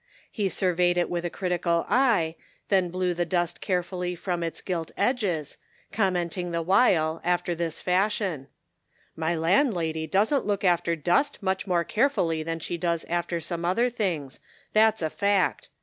He surveyed it with a critical eye, then blew the dust carefully from its gilt edges, commenting the while after this fashion: " My landlady doesn't look after dust much more carefully than she does after some other things ; that's a fact.